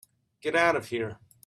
Get out of here.